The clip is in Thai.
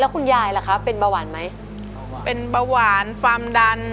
แล้วคุณญายล่ะครับเป็นบรรวรรณไหมเป็นบรรวรรณความดัน